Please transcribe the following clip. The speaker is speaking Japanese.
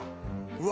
うわ！